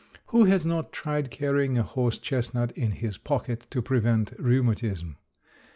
Who has not tried carrying a horse chestnut in his pocket to prevent rheumatism?